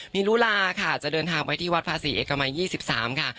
มีลุลาค่ะจะเดินทางไปที่วัดภาษีเอกมัย๒๓ค่ะ